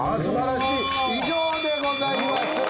以上でございます。